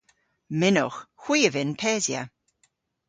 Mynnowgh. Hwi a vynn pesya.